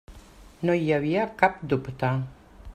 No hi havia cap dubte.